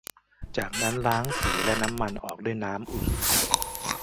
จากนั้นล้างสีและน้ำมันออกด้วยน้ำอุ่น